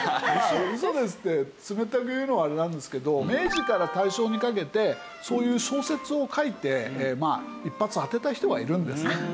ウソですって冷たく言うのはあれなんですけど明治から大正にかけてそういう小説を書いて一発当てた人がいるんですね。